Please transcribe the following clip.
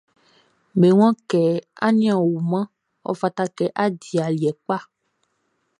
Be waan kɛ a nin a wumanʼn, ɔ fata kɛ a di aliɛ kpa.